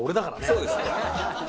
そうですよね。